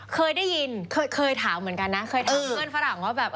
เคยได้ยินเคยเคยถามเหมือนกันนะเคยถามเพื่อนฝรั่งว่าแบบ